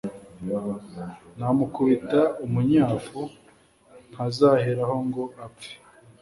numukubita umunyafu ntazaherako ngo apfe